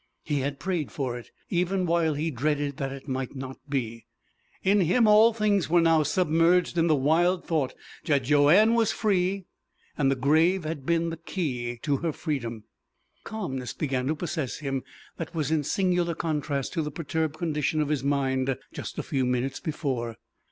He had prayed for it, even while he dreaded that it might not be. In him all things were now submerged in the wild thought that Joanne was free, and the grave had been the key to her freedom. A calmness began to possess him that was in singular contrast to the perturbed condition of his mind a few minutes before.